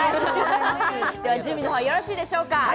準備の方はよろしいでしょうか。